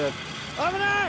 危ない！